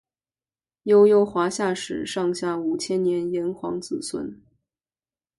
悠悠华夏史上下五千年炎黄子孙